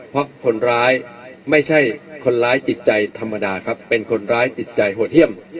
เพราะคนร้ายไม่ใช่คนร้ายจิตใจธรรมดาครับเป็นคนร้ายจิตใจโหดเยี่ยม